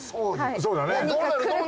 そうだね。